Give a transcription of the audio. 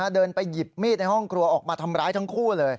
เดินไปหยิบมีดในห้องครัวออกมาทำร้ายทั้งคู่เลย